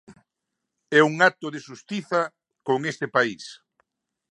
É un acto de xustiza con este país.